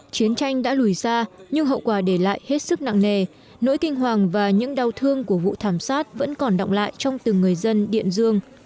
chiến tranh đã lùi xa nhưng hậu quả để lại hết sức nặng nề nỗi kinh hoàng và những đau thương của vụ thảm sát vẫn còn động lại trong từng người dân điện dương